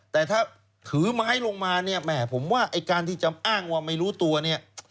แต่ถ้าถือไม้ลงมาเนี่ยแหมผมว่าไอ้การที่จะอ้างว่าไม่รู้ตัวเนี่ย